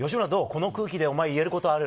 この空気で言えることはある？